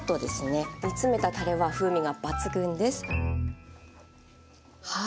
煮つめたたれは風味が抜群です。